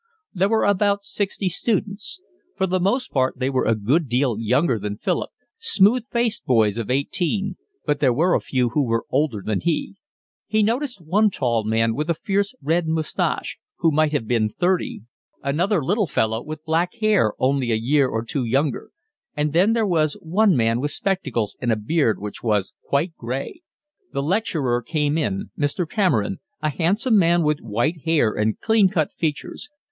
There were about sixty students. For the most part they were a good deal younger than Philip, smooth faced boys of eighteen, but there were a few who were older than he: he noticed one tall man, with a fierce red moustache, who might have been thirty; another little fellow with black hair, only a year or two younger; and there was one man with spectacles and a beard which was quite gray. The lecturer came in, Mr. Cameron, a handsome man with white hair and clean cut features.